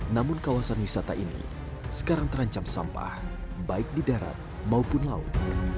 namun kawasan wisata ini sekarang terancam sampah baik di darat maupun laut